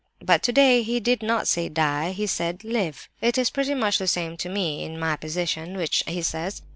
But today he did not say 'die,' he said 'live.' It is pretty much the same to me, in my position, which he says.